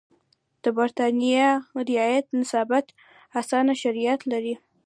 د برېټانیا رعیت نسبتا اسانه شرایط لرل.